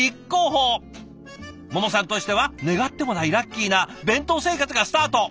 ももさんとしては願ってもないラッキーな弁当生活がスタート！